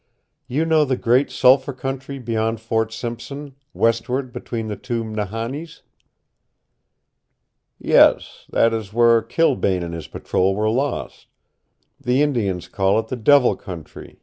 "You know the great Sulphur Country beyond Fort Simpson, westward between the Two Nahannis?" "Yes. That is where Kilbane and his patrol were lost. The Indians call it the Devil Country.